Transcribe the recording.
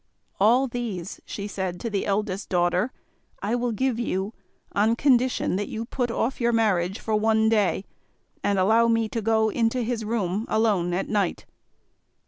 "All these," she said to the eldest daughter, "I will give you, on condition that you put off your marriage for one day and allow me to go into his room alone at night."